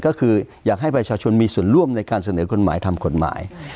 ก็คืออยากให้ประชาชนมีส่วนร่วมในการเสนอกฎหมายทำกฎหมาย